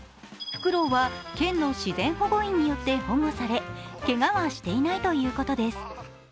ふくろうは県の自然保護員によって保護され、けがはしていないということです。